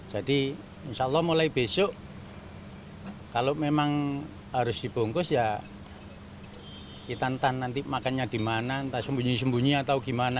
jadi insya allah mulai besok kalau memang harus dibungkus ya kita nanti makannya dimana entah sembunyi sembunyi atau gimana